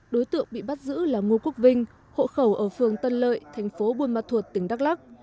đối tượng bị bắt giữ là ngô quốc vinh hộ khẩu ở phường tân lợi thành phố buôn ma thuột tỉnh đắk lắc